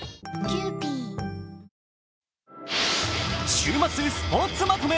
「週末スポーツまとめ」。